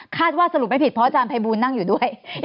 สรุปไม่ผิดเพราะอาจารย์ภัยบูลนั่งอยู่ด้วย